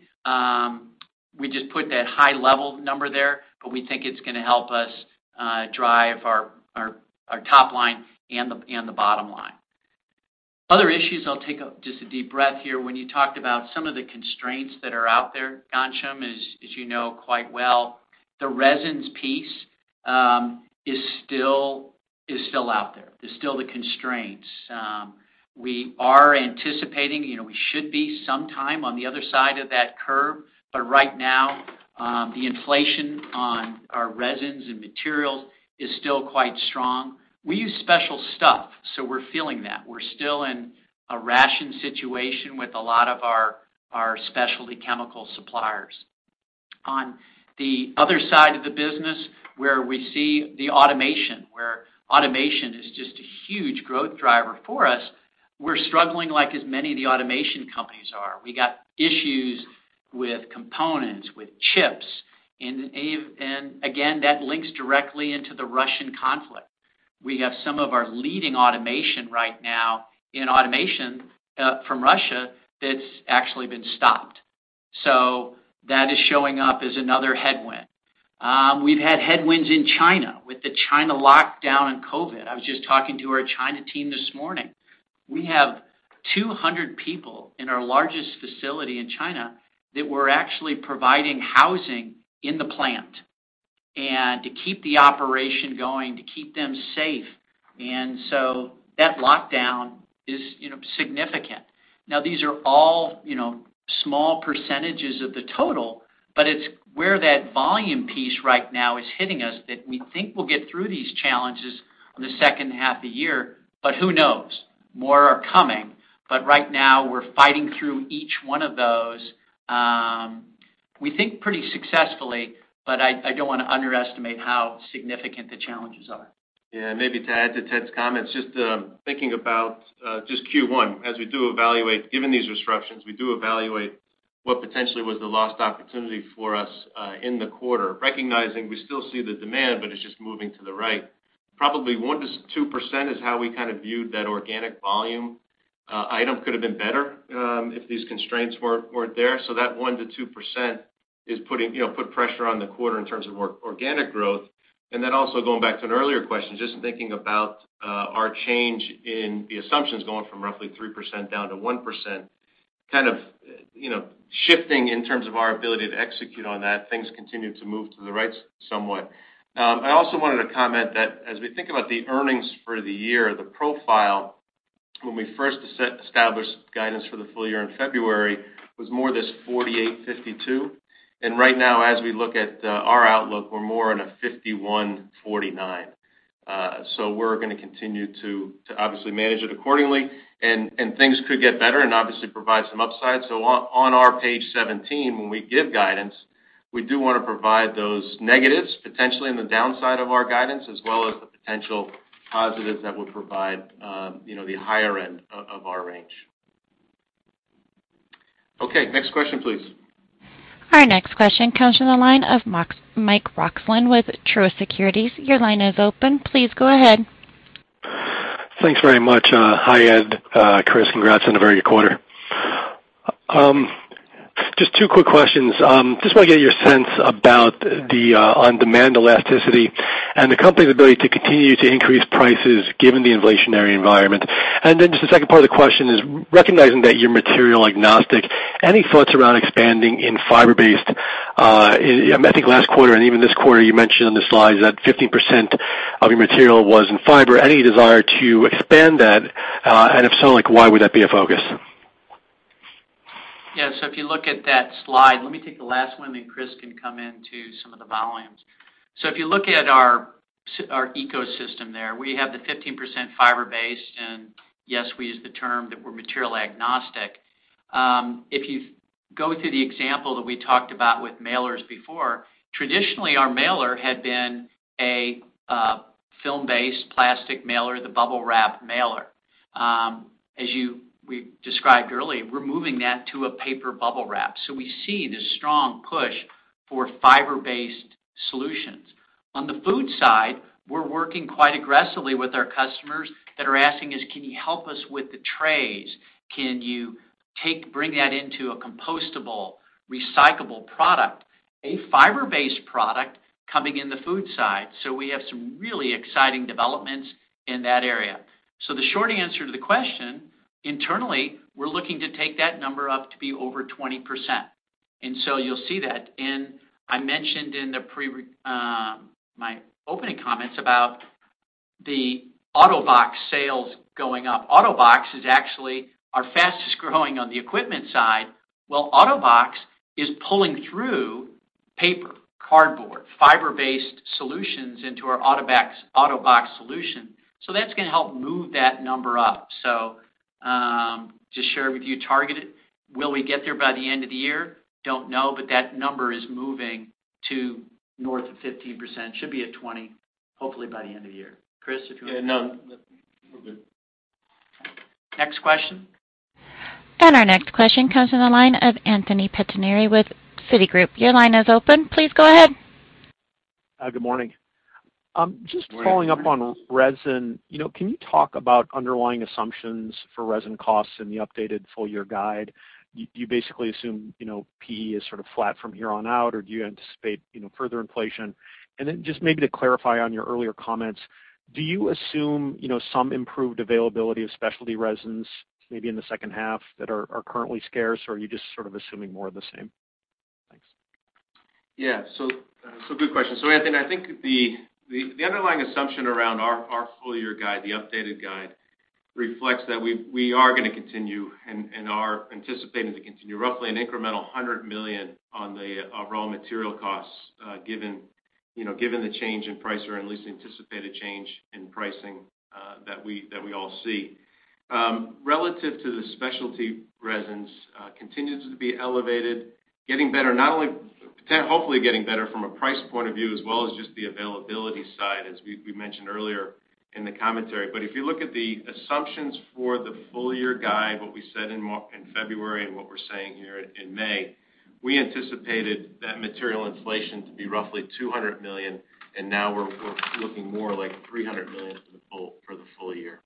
we just put that high level number there, but we think it's gonna help us drive our top line and the bottom line. Other issues, I'll take just a deep breath here. When you talked about some of the constraints that are out there, Ghansham, as you know quite well, the resins piece is still out there. There's still the constraints. We are anticipating, you know, we should be sometime on the other side of that curve. But right now, the inflation on our resins and materials is still quite strong. We use special stuff, so we're feeling that. We're still in a rationing situation with a lot of our specialty chemical suppliers. On the other side of the business, where we see the automation, where automation is just a huge growth driver for us, we're struggling like as many of the automation companies are. We got issues with components, with chips. Again, that links directly into the Russian conflict. We have some of our leading automation right now from Russia that's actually been stopped. That is showing up as another headwind. We've had headwinds in China with the China lockdown and COVID. I was just talking to our China team this morning. We have 200 people in our largest facility in China that we're actually providing housing in the plant, and to keep the operation going, to keep them safe. That lockdown is, you know, significant. Now, these are all, you know, small percentages of the total, but it's where that volume piece right now is hitting us that we think we'll get through these challenges in the second half of the year. Who knows? More are coming. Right now we're fighting through each one of those, we think pretty successfully, but I don't wanna underestimate how significant the challenges are. Yeah. Maybe to add to Ted's comments, just thinking about just Q1. As we do evaluate, given these disruptions, we do evaluate what potentially was the lost opportunity for us in the quarter, recognizing we still see the demand, but it's just moving to the right. Probably 1%-2% is how we kind of viewed that organic volume item could have been better if these constraints weren't there. So that 1%-2% is putting, you know, put pressure on the quarter in terms of organic growth. Then also going back to an earlier question, just thinking about our change in the assumptions going from roughly 3% down to 1%. Kind of, you know, shifting in terms of our ability to execute on that, things continue to move to the right somewhat. I also wanted to comment that as we think about the earnings for the year, the profile when we first established guidance for the full year in February was more this 48, 52. Right now, as we look at our outlook, we're more in a 51, 49. We're gonna continue to obviously manage it accordingly. Things could get better and obviously provide some upside. On our page 17, when we give guidance, we do wanna provide those negatives, potentially in the downside of our guidance, as well as the potential positives that would provide you know the higher end of our range. Okay. Next question, please. Our next question comes from the line of Mark Roccanova with Truist Securities. Your line is open. Please go ahead. Thanks very much. Hi, Ted, Chris, congrats on a very good quarter. Just two quick questions. Just wanna get your sense about the demand elasticity and the company's ability to continue to increase prices given the inflationary environment. Just the second part of the question is recognizing that you're material agnostic, any thoughts around expanding in fiber-based. I think last quarter and even this quarter, you mentioned on the slides that 15% of your material was in fiber. Any desire to expand that? And if so, like, why would that be a focus? If you look at that slide, let me take the last one, and Chris can come in to some of the volumes. If you look at our ecosystem there, we have the 15% fiber-based, and yes, we use the term that we're material agnostic. If you go through the example that we talked about with mailers before, traditionally, our mailer had been a film-based plastic mailer, the Bubble Wrap mailer. We described earlier, we're moving that to a paper Bubble Wrap. We see this strong push for fiber-based solutions. On the food side, we're working quite aggressively with our customers that are asking us, "Can you help us with the trays? Can you bring that into a compostable, recyclable product? A fiber-based product coming in the food side, so we have some really exciting developments in that area. The short answer to the question, internally, we're looking to take that number up to be over 20%. You'll see that. I mentioned in my opening comments about the AUTOBAG sales going up. AUTOBAG is actually our fastest growing on the equipment side. AUTOBAG is pulling through paper, cardboard, fiber-based solutions into our AUTOBAG solution. That's gonna help move that number up. To share with you targeted, will we get there by the end of the year? Don't know, but that number is moving to north of 15%. Should be at 20%, hopefully by the end of the year. Chris, if you want to- Yeah, no. We're good. Next question. Our next question comes from the line of Anthony Pettinari with Citigroup. Your line is open. Please go ahead. Hi. Good morning. Good morning. Just following up on resin, you know, can you talk about underlying assumptions for resin costs in the updated full year guide? Do you basically assume, you know, PE is sort of flat from here on out, or do you anticipate, you know, further inflation? Just maybe to clarify on your earlier comments, do you assume, you know, some improved availability of specialty resins maybe in the second half that are currently scarce, or are you just sort of assuming more of the same? Thanks. Yeah. Good question. Anthony, I think the underlying assumption around our full year guide, the updated guide, reflects that we are gonna continue and are anticipating to continue roughly an incremental $100 million on the raw material costs, given, you know, given the change in price or at least anticipated change in pricing, that we all see. Relative to the specialty resins, continues to be elevated, getting better, not only potentially, hopefully getting better from a price point of view as well as just the availability side, as we mentioned earlier in the commentary. If you look at the assumptions for the full year guide, what we said in February and what we're saying here in May, we anticipated that material inflation to be roughly $200 million, and now we're looking more like $300 million for the full year.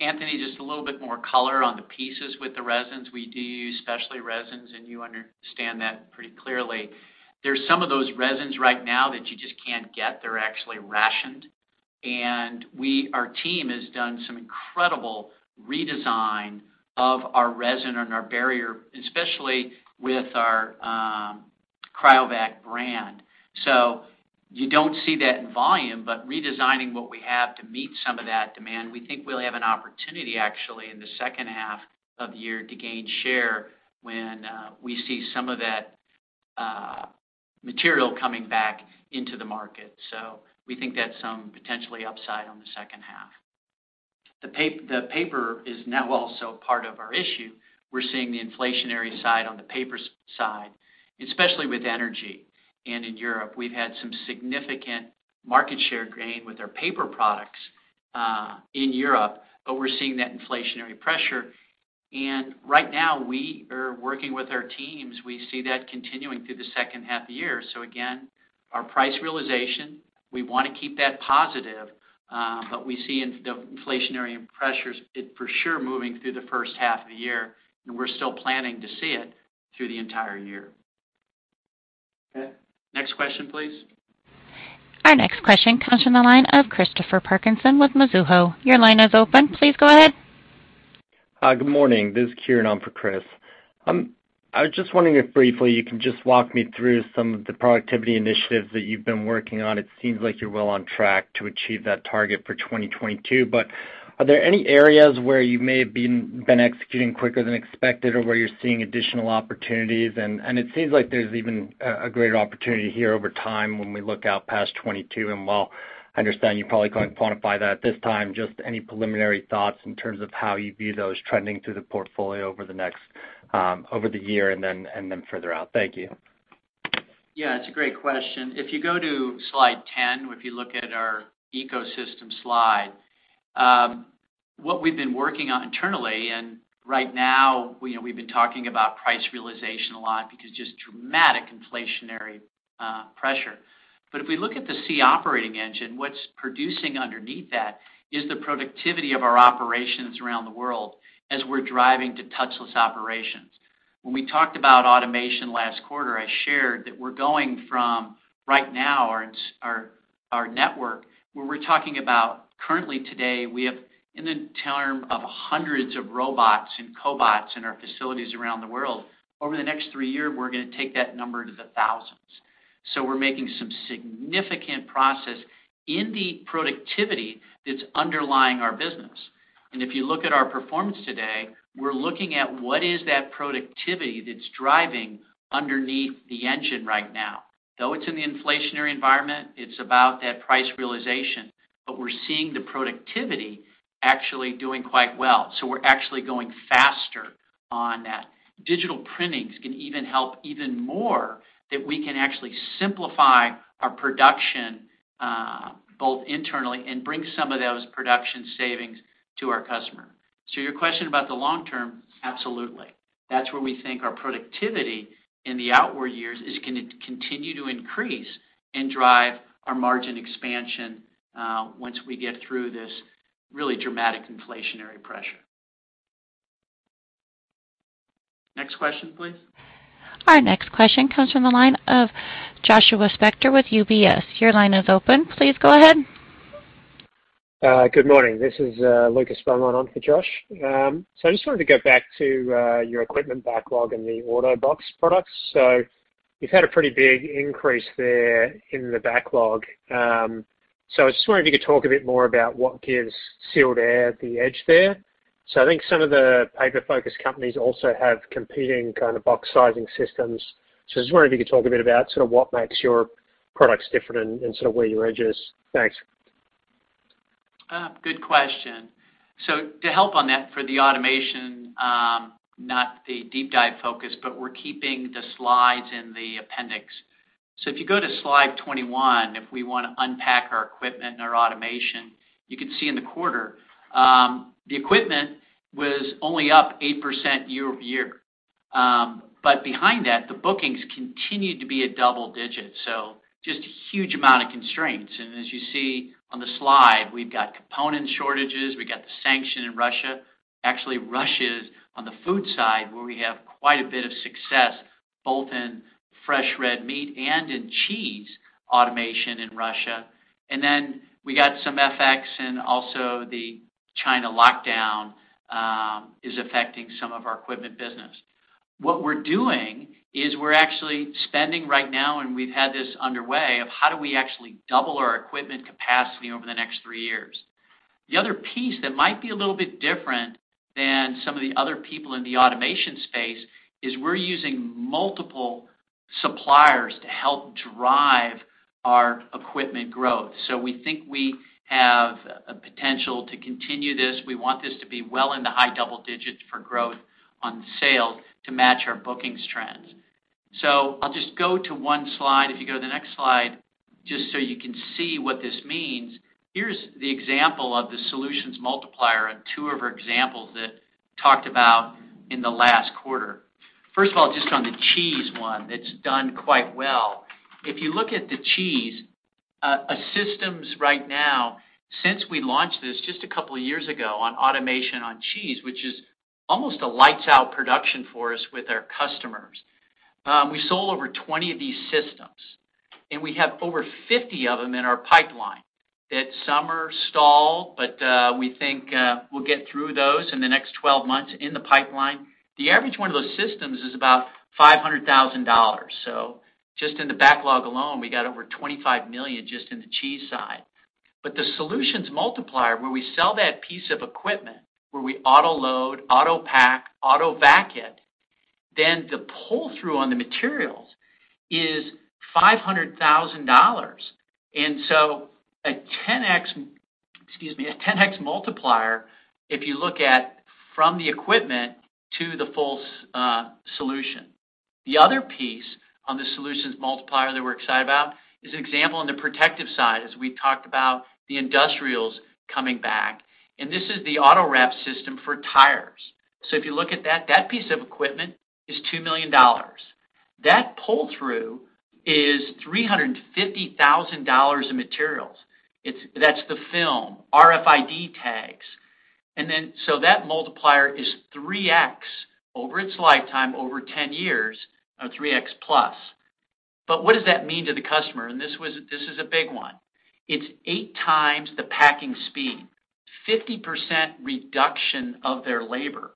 Anthony, just a little bit more color on the pieces with the resins. We do use specialty resins, and you understand that pretty clearly. There's some of those resins right now that you just can't get. They're actually rationed. Our team has done some incredible redesign of our resin and our barrier, especially with our Cryovac brand. You don't see that in volume, but redesigning what we have to meet some of that demand, we think we'll have an opportunity actually in the second half of the year to gain share when we see some of that material coming back into the market. We think that's some potential upside on the second half. The paper is now also part of our issue. We're seeing the inflationary side on the paper side, especially with energy. In Europe, we've had some significant market share gain with our paper products in Europe, but we're seeing that inflationary pressure. Right now, we are working with our teams. We see that continuing through the second half of the year. Again, our price realization, we wanna keep that positive, but we see in the inflationary pressures it for sure moving through the first half of the year, and we're still planning to see it through the entire year. Okay. Next question, please. Our next question comes from the line of Christopher Parkinson with Mizuho. Your line is open. Please go ahead. Hi, good morning. This is Kieran on for Chris. I was just wondering if briefly you can just walk me through some of the productivity initiatives that you've been working on. It seems like you're well on track to achieve that target for 2022, but are there any areas where you may have been executing quicker than expected or where you're seeing additional opportunities? It seems like there's even a greater opportunity here over time when we look out past 2022. While I understand you're probably going to quantify that this time, just any preliminary thoughts in terms of how you view those trending through the portfolio over the year and then further out. Thank you. Yeah, it's a great question. If you go to slide 10 or if you look at our ecosystem slide, what we've been working on internally, and right now, we've been talking about price realization a lot because just dramatic inflationary pressure. If we look at the SEE operating engine, what's producing underneath that is the productivity of our operations around the world as we're driving to touchless operations. When we talked about automation last quarter, I shared that we're going from right now our network, where we're talking about currently today, we have in terms of hundreds of robots and cobots in our facilities around the world. Over the next three years, we're gonna take that number to the thousands. We're making some significant progress in the productivity that's underlying our business. If you look at our performance today, we're looking at what is that productivity that's driving underneath the engine right now. Though it's in the inflationary environment, it's about that price realization, but we're seeing the productivity actually doing quite well. We're actually going faster on that. Digital printing can even help even more that we can actually simplify our production, both internally and bring some of those production savings to our customer. Your question about the long term, absolutely. That's where we think our productivity in the out years is gonna continue to increase and drive our margin expansion, once we get through this really dramatic inflationary pressure. Next question, please. Our next question comes from the line of Joshua Spector with UBS. Your line is open. Please go ahead. Good morning. This is Lucas Beaumont on for Josh. I just wanted to go back to your equipment backlog and the auto box products. You've had a pretty big increase there in the backlog. I just wonder if you could talk a bit more about what gives Sealed Air the edge there. I think some of the paper-focused companies also have competing kind of box sizing systems. I just wonder if you could talk a bit about sort of what makes your products different and sort of where your edge is. Thanks. Good question. To help on that for the automation, not the deep dive focus, but we're keeping the slides in the appendix. If you go to slide 21, if we wanna unpack our equipment and our automation, you can see in the quarter, the equipment was only up 8% year-over-year. But behind that, the bookings continued to be double-digit, so just a huge amount of constraints. As you see on the slide, we've got component shortages, we've got the sanction in Russia. Actually, Russia is on the food side, where we have quite a bit of success, both in fresh red meat and in cheese automation in Russia. Then we got some FX and also the China lockdown is affecting some of our equipment business. What we're doing is we're actually spending right now, and we've had this underway on how do we actually double our equipment capacity over the next three years. The other piece that might be a little bit different than some of the other people in the automation space is we're using multiple suppliers to help drive our equipment growth. We think we have a potential to continue this. We want this to be well in the high double digits for growth in sales to match our bookings trends. I'll just go to one slide. If you go to the next slide, just so you can see what this means. Here's the example of the solutions multiplier and two of our examples that talked about in the last quarter. First of all, just on the cheese one, it's done quite well. If you look at the cheese systems right now since we launched this just a couple of years ago on automation on cheese, which is almost a lights out production for us with our customers, we sold over 20 of these systems, and we have over 50 of them in our pipeline, that some are stalled, but we think we'll get through those in the next 12 months in the pipeline. The average one of those systems is about $500,000. So just in the backlog alone, we got over $25 million just in the cheese side. But the solutions multiplier, where we sell that piece of equipment, where we autoload, autopack, autovac it, then the pull-through on the materials is $500,000. A 10X multiplier if you look at from the equipment to the full solution. The other piece on the solutions multiplier that we're excited about is an example on the protective side, as we talked about the industrials coming back, and this is the auto wrap system for tires. If you look at that piece of equipment is $2 million. That pull-through is $350,000 in materials. It's the film, RFID tags. That multiplier is 3X over its lifetime, over 10 years, or 3X plus. But what does that mean to the customer? This is a big one. It's 8 times the packing speed, 50% reduction of their labor.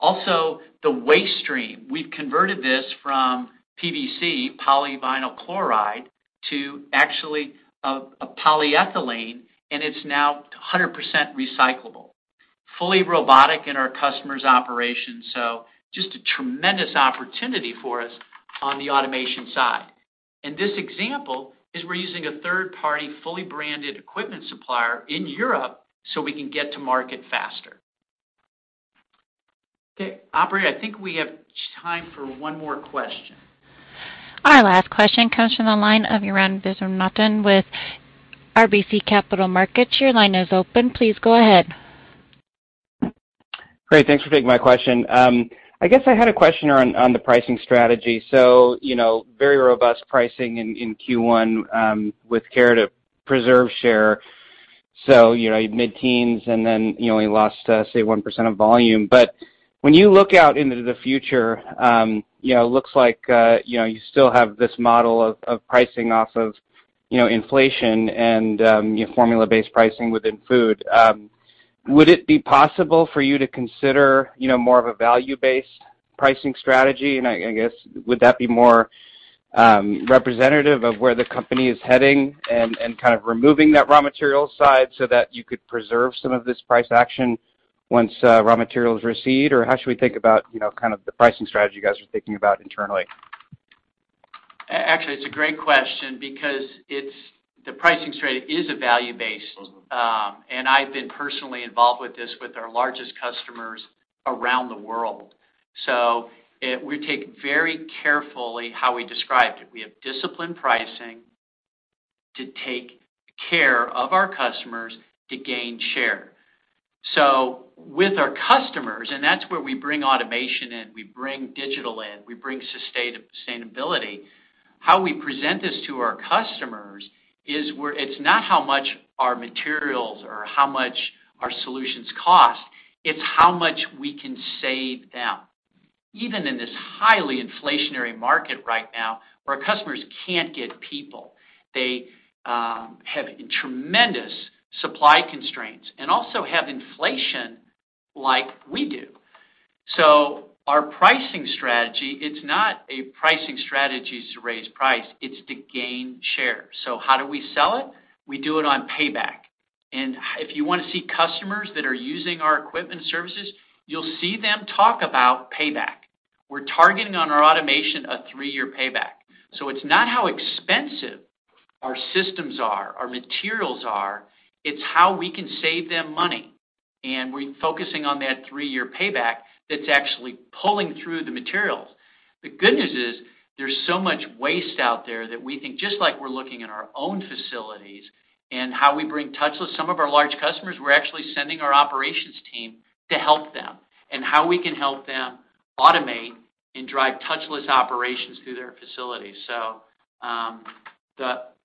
Also the waste stream. We've converted this from PVC, polyvinyl chloride, to actually a polyethylene, and it's now 100% recyclable, fully robotic in our customer's operations. Just a tremendous opportunity for us on the automation side. This example is we're using a third-party, fully branded equipment supplier in Europe so we can get to market faster. Okay, operator, I think we have time for one more question. Our last question comes from the line of Arun Viswanathan with RBC Capital Markets. Your line is open. Please go ahead. Great. Thanks for taking my question. I guess I had a question on the pricing strategy. You know, very robust pricing in Q1 with care to preserve share. You know, mid-teens%, and then, you know, we lost, say 1% of volume. When you look out into the future, you know, looks like you know, you still have this model of pricing off of, you know, inflation and, you know, formula-based pricing within food. Would it be possible for you to consider, you know, more of a value-based pricing strategy? I guess would that be more representative of where the company is heading and kind of removing that raw material side so that you could preserve some of this price action once raw materials recede? How should we think about, you know, kind of the pricing strategy you guys are thinking about internally? Actually, it's a great question because it's the pricing strategy is a value-based. I've been personally involved with this with our largest customers around the world. We take very carefully how we described it. We have disciplined pricing to take care of our customers to gain share. With our customers, that's where we bring automation in, we bring digital in, we bring sustainability. How we present this to our customers is we're. It's not how much our materials or how much our solutions cost, it's how much we can save them. Even in this highly inflationary market right now where our customers can't get people, they have tremendous supply constraints and also have inflation like we do. Our pricing strategy, it's not a pricing strategy to raise price, it's to gain share. How do we sell it? We do it on payback. If you wanna see customers that are using our equipment services, you'll see them talk about payback. We're targeting on our automation a three-year payback. It's not how expensive our systems are or materials are, it's how we can save them money. We're focusing on that three-year payback that's actually pulling through the materials. The good news is there's so much waste out there that we think, just like we're looking at our own facilities and how we bring touchless. Some of our large customers, we're actually sending our operations team to help them and how we can help them automate and drive touchless operations through their facilities.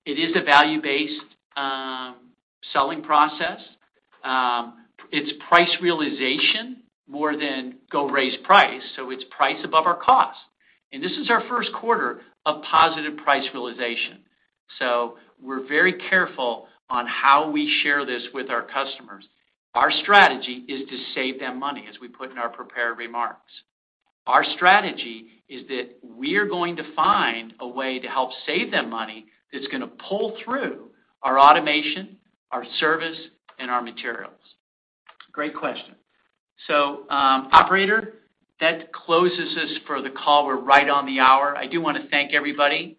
It is a value-based selling process. It's price realization more than go raise price, so it's price above our cost. This is our Q1 of positive price realization. We're very careful on how we share this with our customers. Our strategy is to save them money, as we put in our prepared remarks. Our strategy is that we're going to find a way to help save them money that's gonna pull through our automation, our service, and our materials. Great question. Operator, that closes us for the call. We're right on the hour. I do wanna thank everybody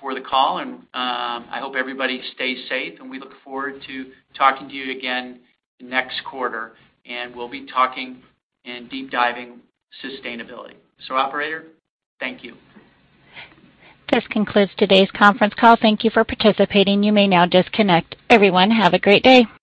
for the call, and I hope everybody stays safe. We look forward to talking to you again next quarter, and we'll be talking and deep diving sustainability. Operator, thank you. This concludes today's conference call. Thank you for participating. You may now disconnect. Everyone, have a great day.